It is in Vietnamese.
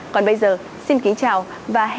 còn bây giờ xin kính chào và hẹn gặp lại